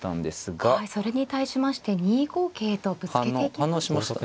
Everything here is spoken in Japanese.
はいそれに対しまして２五桂とぶつけていきました。